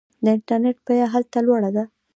د انټرنیټ بیه هلته لوړه ده.